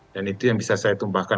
dan itu yang bisa saya tumbahkan